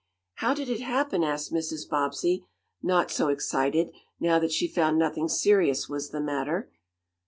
"How did it happen?" asked Mrs. Bobbsey, not so excited, now that she found nothing serious was the matter.